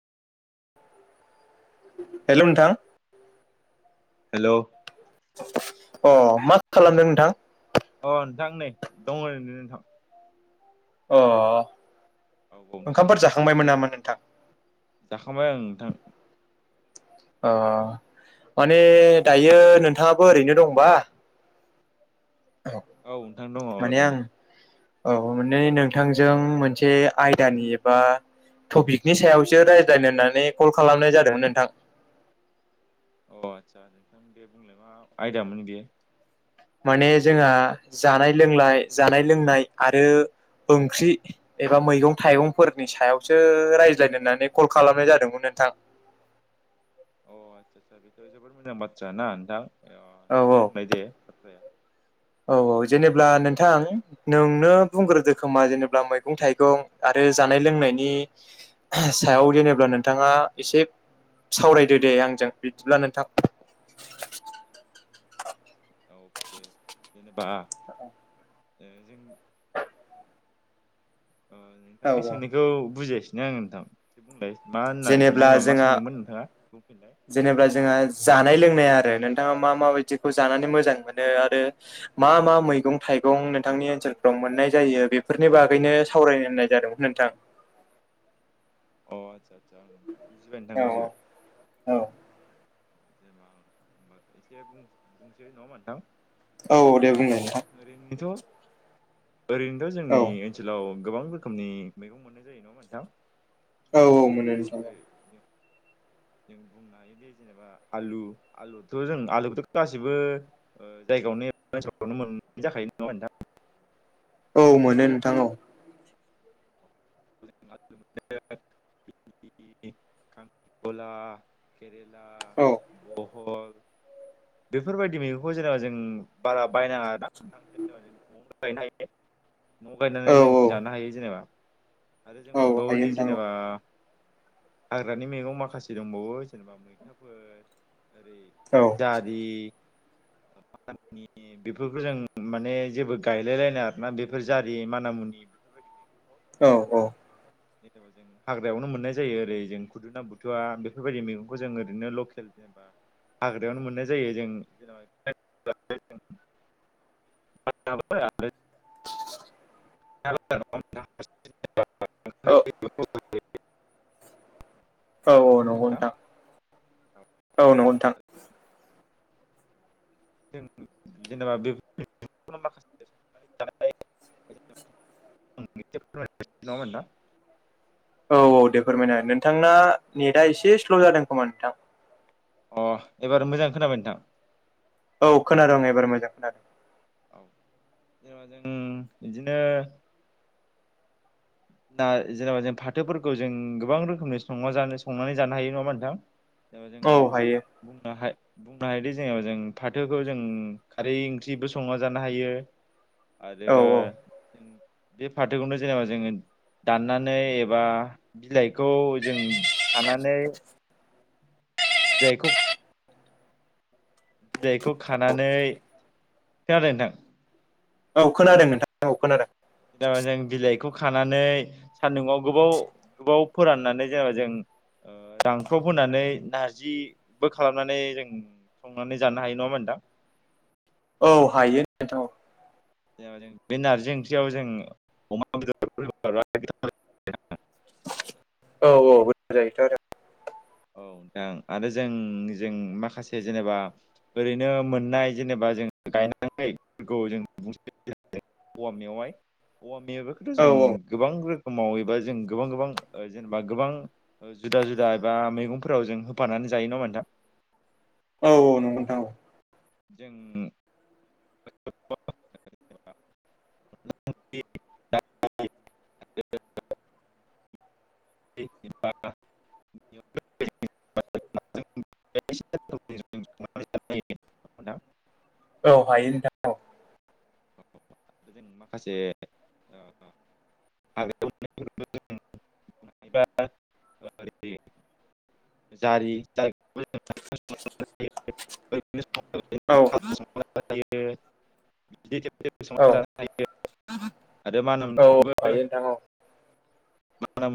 हेल' नोंथां हेल' अ मा खालामदों नोंथां अ नोंथां नै दङ' ओरैनो नोंथां अ औ नोंथां ओंखामफोर जाखांबायमोन नामा नोंथां जाखांबाय ओं नोंथां अ माने दायो नोंथाङाबो ओरैनो दंबा औ नोंथां दङ माने आं ओरैनो औ माने नोंथांजों मोनसे आयदानि एबा टपिकनि सायावसो रायज्लायनो होननानै कल खालामनाय जादोंमोन नोंथां अ आस्सा नोंथां दे बुंलाय मा आयदामोन बेयो माने जोंहा जानाय लोंनाय जानाय लोंनाय आरो ओंख्रि एबा मैगं थाइगंफोरनि सायावसो रायज्लायनो होननानै कल खालामनाय जादोंमोन। थां [inaudible] अ आस्सा आस्सा बेथ' जोबोद मोजां बाथ्रा ना नोंथां एसे औ दे औ बुंबाय दे बाथ्राया औ औ जेनेब्ला नोंथां नोंनो बुंग्रोदो खोमा जेनेबा मैगं थाइगं आरो जानाय लोंनायनि सायाव जेनेबा नोंथाङा एसे सावरायदो दे आंजों बिदिब्ला नोंथां अके जेनेबा जों अ नोंथांनि सोंनायखौ बुजियासैनो आङो नोंथां बुंलाय मा होनना जेनेब्ला जेनेबा मा जोंहा सोंदोंमोन नोंथाङा बुंफिनलाय जेनेबा जोंहा जानाय लोंनाय आरो नोंथाङा मा मा बायदिखौ जानानै मोजां मोनो आरो मा मा मैगं थाइगं नोंथांनि ओनसोल फ्राव मोननाय जायो बेफोरनि बागैनो सावरायनाय जादोंमोन नोंथां अ आदसा आदसा नोंथां बुजिबाय नोंथां औ बुजिबाय औ औ जेबा होनबा एसे बुंसै नङा होनबा नोंथां औ दे बुंनाय नोंथां ओरैनोथ' ओरैनोथ' औ जोंनि ओनसोलाव गोबां रोखोमनि मैगं मोननाय जायो नङा होनबा नोंथां औ औ मोनो नोंथां औ जदिथ [unintelligible] जों बुंनो हायो जेनेबा आलु आलुथ' जों आलुखौथ' गासिबो जायगायावनो नो मोन जाखायो नङा होनबा नोंथां औ मोनो नोंथा औ [unintelligible] कांक्रिखला केरेला औ बहल बेफोरबायदि मैगंखौ जेनेबा जों बारा बायनाङा जेनेबा जों न'आवनो गायनो हायो। न' गायनानै औ जों औ जानो हायो जेनेबा आरो जों औ हायो मोनबावोदि नोंथां जेनेबा हाग्रानि मैगं माखासे दंबावो जेनेबा मैथाफोर ओरै औ। जारि नि बेफोरखौ जों माने जेबो गायलायलायनाङा आरोना बेफोर जारि माना मुनि ज [inaudible] [unintelligible] औ औ जेने'बा जों हाग्रायावनो मोननाय जायो ओरै जों खुदुना बुथुवा बेफोरबायदि मैगंखौ जों ओरैनो लकेल जेनेबा हाग्रायावनो मोननाय जायो जों जेनेबा आ [inaudible] [inaudible] औ [unintelligible] औ औ नंगौ नोंथां औ नंगौ नोथां जों जेनेबा बे माखासे [unintelligible] [inaudible] [unintelligible] [inaudible] नङाहोनबा नोंथां। औ औ दे फोरमायना हो नोंथांना नेटआ एसे स्ल' जादों खोमा नोंथां अ एबार मोजां खोनाबाय नोंथां औ खोनादों एबार मोजां खोनादों औ जेनेबा जों इदिनो दा जेनेबा जों फाथोफोरखौ जों गोबां रोखोमनि संना जानो संनानै जानो हायो नङा होनबा नोंथां जेनेबा औ हायो जों बुंनो हाय बुंनो हायोदि जेनेबा जों फाथोखौ जों खारै ओंख्रिबो संना जानो हायो आरो औ औ जों बे फाथोखौनो जेनेबा जोङो दाननानै एबा बिलाइखौ जों खानानै बिलायखौ बिलाइखौ खानानै खोनादों नोंथां औ खोनादों नोंथां औ खोनादों जेनेबा जों बिलाइखौ खानानै सान्दुंआव गोबाव गोबाव फोराननानै जेनेबा जों ओ रानख्रब होनानै नारजिबो खालामनानै जों संनानै जानो हायो नङा होनबा नोंथां नोंथां औ हायो नोंथां औ जेनेबा जों बे नारजि ओंख्रियाव जों अमा बेदर फोर होफाबा गोथाव जायो आरो औ औ मोजां जायोथ' आरो औ नोंथां आरो जों जों माखासे जेनेबा ओरैनो मोननाय जेनेबा जों गायनानै [unintelligible] [inaudible] खौ जों बुं औवा मेवहाय औवा मेवाखौथ' औ जों औ गोबां रो समाव एबा जों गोबां गोबां जेनेबा गोबां जुदा जुदा एबा मैगं फोराव जों होफानानै औ औ नंगौ नोंथां औ जों [unintelligible] [unintelligible] [unintelligible] औ हायो नोंथां औ जों माखासे ओ [unintelligible] जारि, जारिखौबो जों [unintelligible] औ संना जानो हायो, बिदै थेब थेब औ संना जानो हायो आरो माना औ मुनिखौबो हायो नोंथां औ। मानामुनि